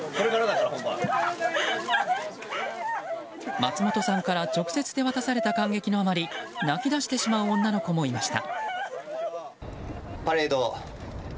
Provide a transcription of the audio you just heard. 松本さんから直接手渡された感激のあまり泣き出してしまう女の子もいました。